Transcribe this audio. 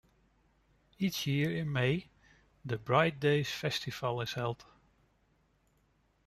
Each year in May, the Bright Days festival is held.